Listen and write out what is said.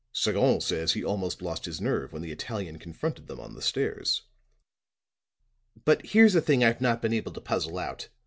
Sagon says he almost lost his nerve when the Italian confronted them on the stairs." "But here's a thing I've not been able to puzzle out.